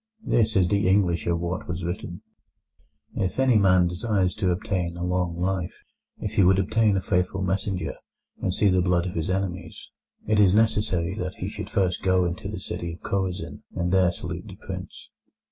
This is the English of what was written: "If any man desires to obtain a long life, if he would obtain a faithful messenger and see the blood of his enemies, it is necessary that he should first go into the city of Chorazin, and there salute the prince…."